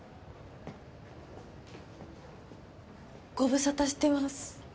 ご無沙汰してます。